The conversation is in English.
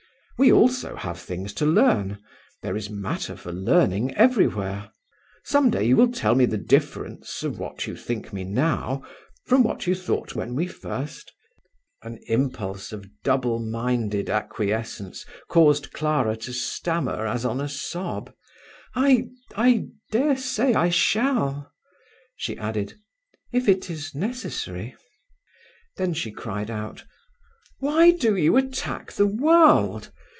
We also have things to learn there is matter for learning everywhere. Some day you will tell me the difference of what you think of me now, from what you thought when we first ...?" An impulse of double minded acquiescence caused Clara to stammer as on a sob. "I I daresay I shall." She added, "If it is necessary." Then she cried out: "Why do you attack the world?